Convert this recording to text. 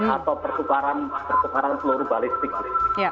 atau pertukaran peluru balistik